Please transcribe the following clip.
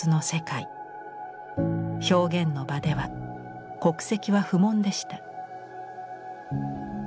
表現の場では国籍は不問でした。